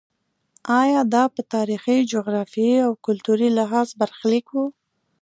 ایا دا په تاریخي، جغرافیایي او کلتوري لحاظ برخلیک و.